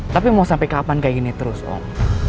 tapi mau sampai kapan kayak gini terus om